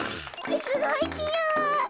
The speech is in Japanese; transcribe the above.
すごいぴよ！